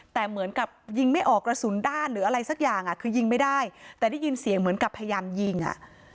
แต่เหมือนกับยิงไม่ออกกระสุนด้านหรืออะไรสักอย่างอ่ะคือยิงไม่ได้แต่ได้ยินเสียงเหมือนกับพยายามยิงอ่ะ